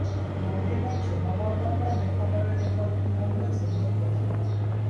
মুরগির মাংস ব্যবহার করার কারণে খাবারের এ পদটির নাম হয়েছে মোরগ পোলাও।